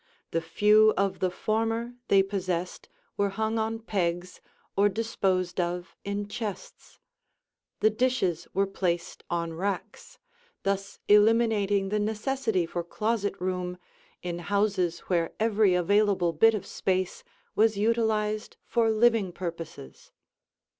The few of the former they possessed were hung on pegs or disposed of in chests; the dishes were placed on racks, thus eliminating the necessity for closet room in houses where every available bit of space was utilized for living purposes.